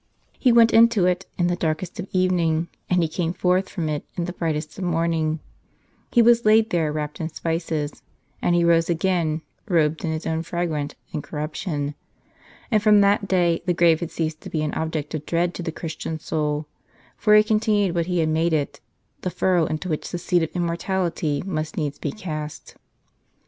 He went into it in the darkest of evening, and He came forth from it in the brightest of morning ; He was laid there wrapped in spices, and he rose again robed in His own fragrant incorruption. And from that day the grave had ceased to be an object of dread to the Christian soul, for it continued what he had made it, — the furrow into which the seed of immortality must needs be cast.